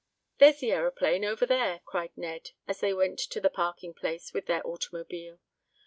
"There's the aeroplane over there!" cried Ned, as they went to the parking place with their automobile.